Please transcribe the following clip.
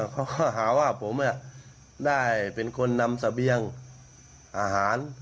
เขาก็หาว่าผมได้เป็นคนนำเสบียงอาหาร